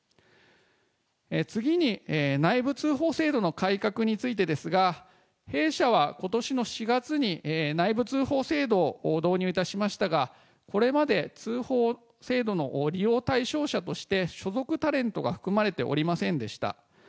次に内部通報制度の改革についてですが、弊社はことしの４月に内部通報制度を導入いたしましたが、これまで通報制度の利用対象者として、所属タレントが含まれておりませんでした。